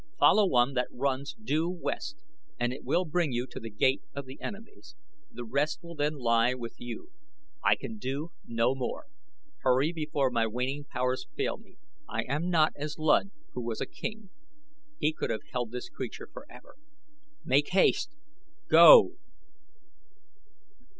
Follow one that runs due west and it will bring you to The Gate of Enemies. The rest will then lie with you. I can do no more; hurry before my waning powers fail me I am not as Luud, who was a king. He could have held this creature forever. Make haste! Go!"